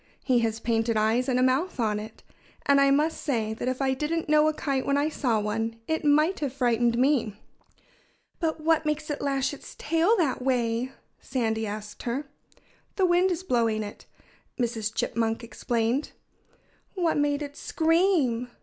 He has painted eyes and a mouth on it. And I must say that if I didn't know a kite when I saw one it might have frightened me." "But what makes it lash its tail that way?" Sandy asked her. "The wind is blowing it," Mrs. Chipmunk explained. "What made it scream?"